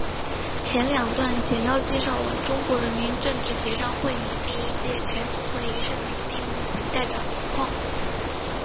前两段简要介绍了中国人民政治协商会议第一届全体会议胜利闭幕及代表情况。